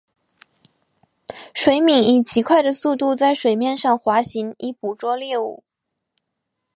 水黾以极快的速度在水面上滑行以捕捉猎物。